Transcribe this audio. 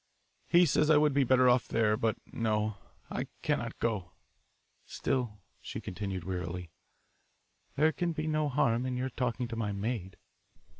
He says I would be better off there, but no, I cannot go. Still," she continued wearily, "there can be no harm in your talking to my maid."